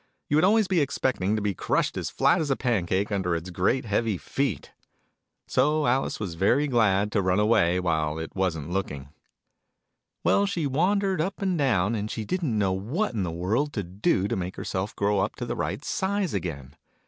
You would always be expecting to he crushed as flat as a pancake under its great heavy feet !) So Alice was very glad to run away, while it wasn't looking. Well, she wandered up and down, and didn't know what in the world to do, to make herself grow up to her right size again.